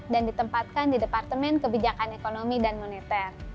dan ditempatkan di departemen kebijakan ekonomi dan moneter